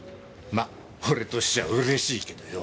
ま俺としちゃうれしいけどよ。